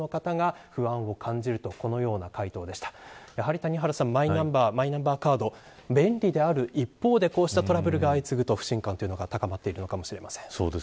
谷原さん、マイナンバーカード便利である一方で、こうしたトラブルが相次ぐと不信感が高まっているのかもしれません。